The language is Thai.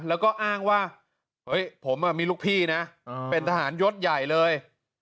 แล้วก็อ้างว่าเฮ้ยผมมีลูกพี่นะเป็นทหารยศใหญ่เลย